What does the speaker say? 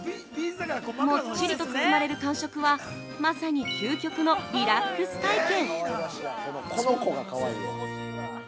もっちりと包まれる感触はまさに究極のリラックス体験！